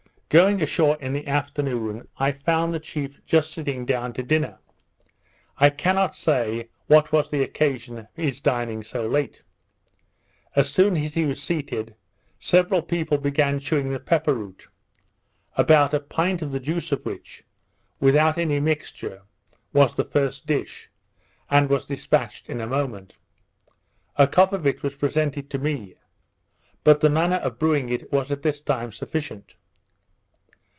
Going ashore in the afternoon, I found the chief just sitting down to dinner. I cannot say what was the occasion of his dining so late. As soon as he was seated, several people began chewing the pepper root; about a pint of the juice of which, without any mixture, was the first dish, and was dispatched in a moment. A cup of it was presented to me; but the manner of brewing it was at this time sufficient.